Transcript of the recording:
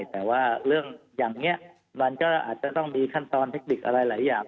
แต่ว่าเรื่องอย่างนี้มันก็อาจจะต้องมีขั้นตอนเทคนิคอะไรหลายอย่าง